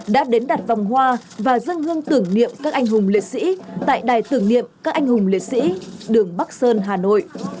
đã đến đặt vòng hoa và dân hương tưởng niệm các anh hùng liệt sĩ tại đài tưởng niệm các anh hùng liệt sĩ đường bắc sơn hà nội